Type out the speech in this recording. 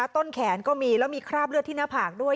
ต้นแขนก็มีแล้วมีคราบเลือดที่หน้าผากด้วย